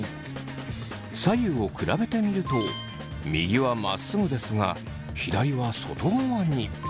左右を比べてみると右はまっすぐですが左は外側に。